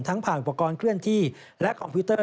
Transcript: ผ่านอุปกรณ์เคลื่อนที่และคอมพิวเตอร์